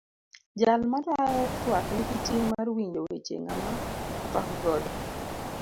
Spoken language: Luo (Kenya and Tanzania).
Jal matayo twak nigi ting' mar winjo weche ng'ama otwak godo.